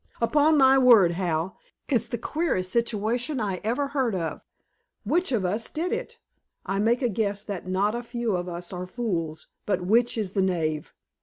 Upon my word, Hal, it's the queerest situation I ever heard of. Which of us did it? I make a guess that not a few of us are fools, but which is the knave?